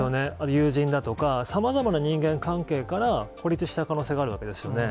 友人だとか、さまざまな人間関係から孤立しちゃう可能性があるわけですよね。